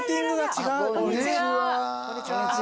こんにちは。